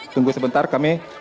tunggu sebentar kami